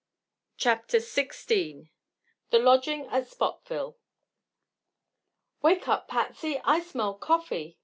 CHAPTER XVI THE LODGING AT SPOTVILLE "Wake up, Patsy: I smell coffee!"